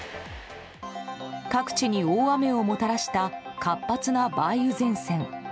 各地に大雨をもたらした活発な梅雨前線。